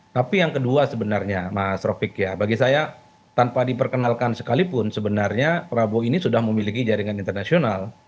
tapi yang kedua sebenarnya mas rofik ya bagi saya tanpa diperkenalkan sekalipun sebenarnya prabowo ini sudah memiliki jaringan internasional